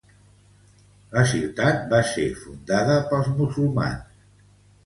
La ciutat va ser fundada pels musulmans.